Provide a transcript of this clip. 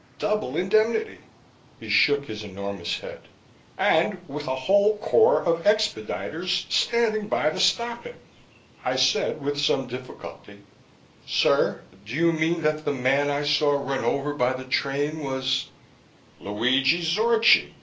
Double indemnity!" He shook his enormous head. "And with a whole corps of expediters standing by to stop him!" I said with some difficulty, "Sir, do you mean that the man I saw run over by the train was " "Luigi Zorchi.